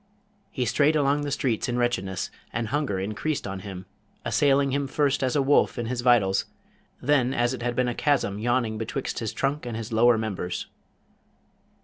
He strayed along the streets in wretchedness, and hunger increased on him, assailing him first as a wolf in his vitals, then as it had been a chasm yawning betwixt his trunk and his lower members.